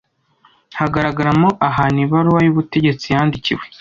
hagaragaramo ahantu ibaruwa y’ ubutegetsi yandikiwe